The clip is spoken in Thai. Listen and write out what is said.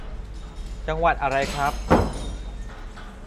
จังหวัดอะไรครับ